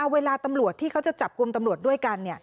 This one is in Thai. เวลาตำรวจที่เขาจะจับกลุ่มตำรวจด้วยกัน